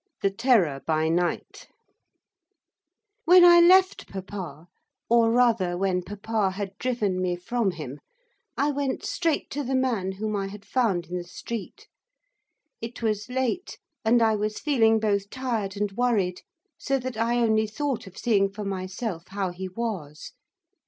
THE TERROR BY NIGHT When I left papa, or, rather, when papa had driven me from him I went straight to the man whom I had found in the street. It was late, and I was feeling both tired and worried, so that I only thought of seeing for myself how he was.